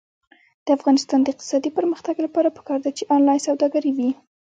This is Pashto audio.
د افغانستان د اقتصادي پرمختګ لپاره پکار ده چې آنلاین سوداګري وي.